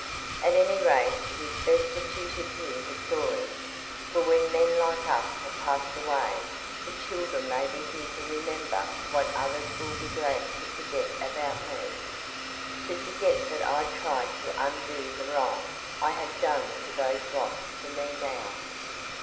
"At any rate it is best that you should hear the story, for when men like us have passed away the children may be here to remember what others will be glad to forget about me to forget that I tried to undo the wrong I had done to those lost to me now."